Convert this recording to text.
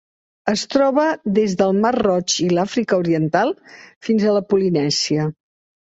Es troba des del mar Roig i l'Àfrica oriental fins a la Polinèsia.